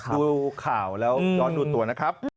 ดูข่าวแล้วย้อนดูตัวนะครับ